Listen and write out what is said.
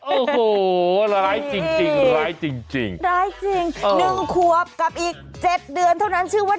โอ้โหร้ายจริงร้ายจริงร้ายจริง๑ขวบกับอีก๗เดือนเท่านั้นชื่อว่า